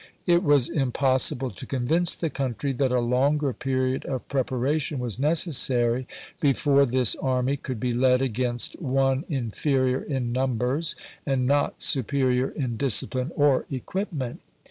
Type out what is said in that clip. It was impossible to con \"incethe country that a longer period of preparation was necessary before this army could be led against one inferior in numbers, and not superior in disci phne or equipment.